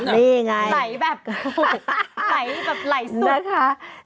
อ๋อนี่ไงไหลแบบไหลสุดนะคะทำไมคุณจัดกันเยอะอย่างนั้น